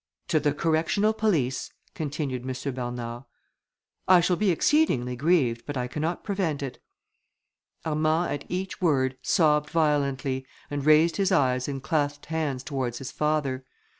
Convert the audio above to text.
"To the correctional police," continued M. Bernard. "I shall be exceedingly grieved, but I cannot prevent it." Armand at each word sobbed violently, and raised his eyes and clasped hands towards his father.